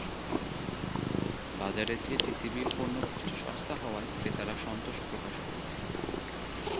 বাজারের চেয়ে টিসিবির পণ্য কিছুটা সস্তা হওয়ায় ক্রেতারা সন্তোষ প্রকাশ করেছেন।